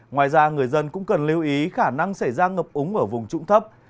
ngoài ra người dân cũng cần lưu ý khả năng xảy ra ngập úng ở vùng trụng thấp